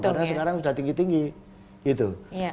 karena sekarang sudah tinggi tinggi gitu